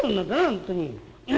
本当に」。